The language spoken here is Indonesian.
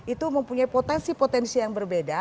itu mempunyai potensi potensi yang berbeda